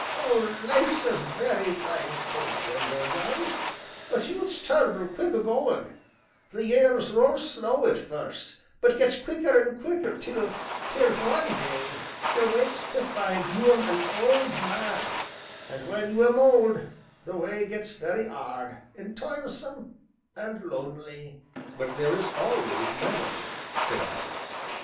Oh! life's a very fine thing when you're young; but youth's tur'ble quick agoin' the years roll slow at first, but gets quicker 'n quicker, till, one day, you wakes to find you 'm an old man; an' when you'm old, the way gets very 'ard, an' toilsome, an' lonely." "But there is always memory," said I.